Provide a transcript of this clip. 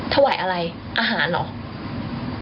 ถวายอะไรอาหารเหรอ